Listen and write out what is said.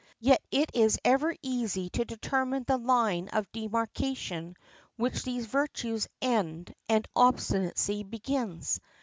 Yet it is ever easy to determine the line of demarkation where these virtues end and obstinacy begins.